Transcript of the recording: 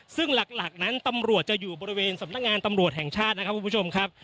ซึ่งหลักนั้นตำรวจจะอยู่บริเวณสำนักงานตำรวจแห่งชาตินะครับคุณผู้ชมครับ